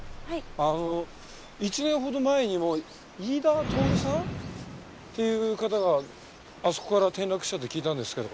あの１年ほど前にも飯田透さんっていう方があそこから転落したって聞いたんですけど。